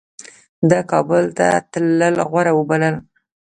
ده کابل ته تلل غوره وبلل.